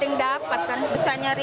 enggak dapet terus setiap hari